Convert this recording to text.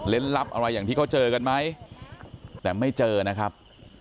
ลับอะไรอย่างที่เขาเจอกันไหมแต่ไม่เจอนะครับ